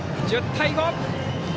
１０対５！